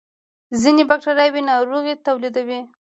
ځینې بکتریاوې ناروغۍ تولیدوي